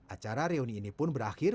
acara reuni ini pun berakhir